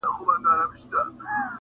وږمه ازمونه د ګلاب له شونډو ځکه لاړه